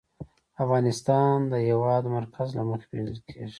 افغانستان د د هېواد مرکز له مخې پېژندل کېږي.